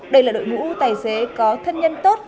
đây là đội ngũ tài xế có thân nhân tốt